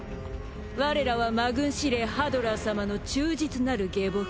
我らは魔軍司令ハドラー様の忠実なる下僕